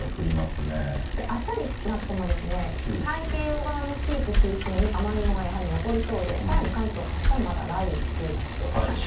あしたになっても、太平洋側の地域中心に、雨雲がやはり残りそうで、さらに関東、あしたもまだ雷雨に注意が必要となりそうです。